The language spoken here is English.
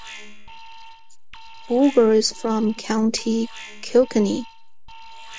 Bolger is from County Kilkenny.